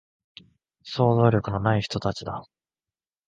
想像力のない人たちだ